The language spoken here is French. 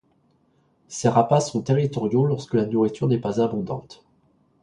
Ces rapaces sont territoriaux lorsque la nourriture n'est pas abondante.